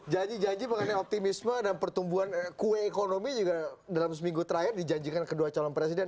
janji janji mengenai optimisme dan pertumbuhan kue ekonomi juga dalam seminggu terakhir dijanjikan kedua calon presiden